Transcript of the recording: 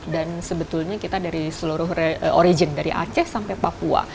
dan sebetulnya kita dari seluruh origin dari aceh sampai papua